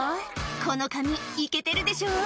この髪イケてるでしょ？」